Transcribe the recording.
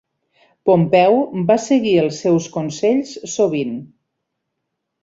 Pompeu va seguir els seus consells sovint.